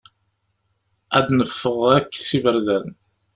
Ad d-neffeɣ akk s iberdan.